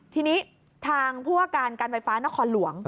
ทีนี้ทางผู้ว่าการการไฟฟ้านครหลวง